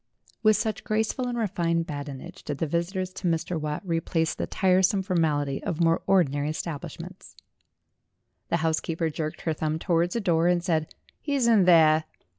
With such graceful and refined badinage did the visitors to Mr. Watt replace the tiresome formality of more ordinary establishments. The housekeeper jerked her thumb towards a door, and said, "He's in there."